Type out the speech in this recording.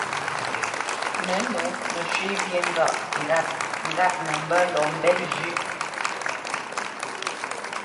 Nə̌nǒ nə shwé wyê ŋgâʼ ŋgât nə mbə́ lɔ mbɛ́p nzyêʼ.